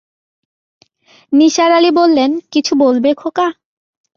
নিসার আলি বললেন, কিছু বলবে খোকা?